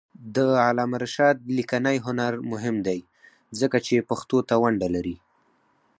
د علامه رشاد لیکنی هنر مهم دی ځکه چې پښتو ته ونډه لري.